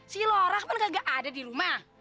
si lorak kan enggak ada di rumah